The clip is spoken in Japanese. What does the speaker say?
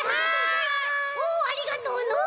「おおありがとうのう」。